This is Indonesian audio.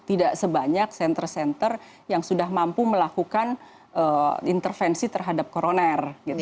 tidak sebanyak senter senter yang sudah mampu melakukan intervensi terhadap koroner